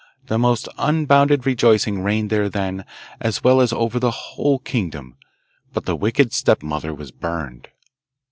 The most unbounded rejoicing reigned there then, as well as over the whole kingdom, but the wicked stepmother was burned.